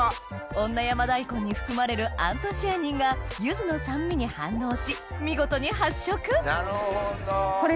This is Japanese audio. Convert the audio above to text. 女山大根に含まれるアントシアニンが柚子の酸味に反応し見事に発色なるほど。